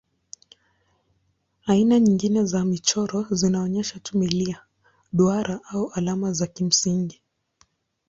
Aina nyingine za michoro zinaonyesha tu milia, duara au alama za kimsingi.